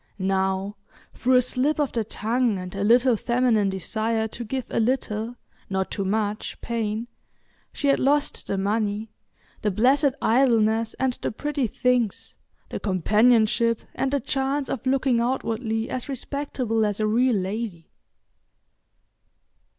Now through a slip of the tongue and a little feminine desire to give a little, not too much, pain she had lost the money, the blessed idleness and the pretty things, the companionship, and the chance of looking outwardly as respectable as a real lady.